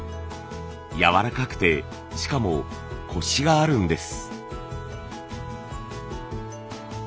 やわらかくてしかもコシがあるんです。